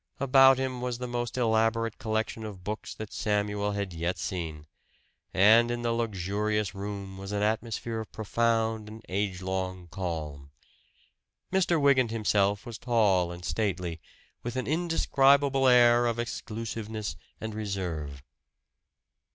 About him was the most elaborate collection of books that Samuel had yet seen; and in the luxurious room was an atmosphere of profound and age long calm. Mr. Wygant himself was tall and stately, with an indescribable air of exclusiveness and reserve.